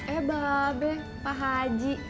eh babe pak haji